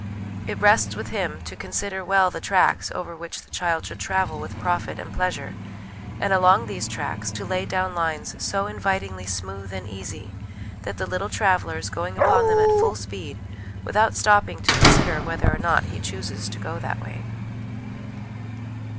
It rests with him to consider well the tracks over which the child should travel with profit and pleasure ; and, along these tracks, to lay down lines so invitingly smooth and easy that the little traveller is going upon them at full speed without stopping to consider whether or no he chooses to go that way.